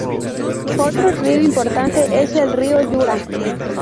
Otro río importante es el río Yura.